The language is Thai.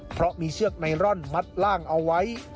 เพราะมีเชือกไนรอนมัดล่างเอาไว้